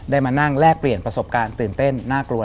มานั่งแลกเปลี่ยนประสบการณ์ตื่นเต้นน่ากลัว